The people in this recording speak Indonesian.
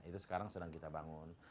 itu sekarang sedang kita bangun